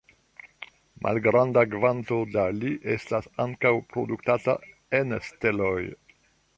Malgranda kvanto da Li estas ankaŭ produktata en steloj.